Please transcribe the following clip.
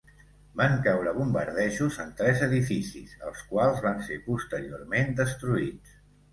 Van caure bombardejos en tres edificis, els quals van ser posteriorment destruïts.